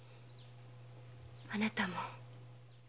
あなたも。